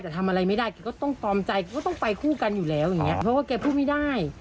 แต่ทำอะไรไม่ได้แกก็ต้องตอมใจก็ต้องไปคู่กันอยู่แล้วอย่างเงี้เพราะว่าแกพูดไม่ได้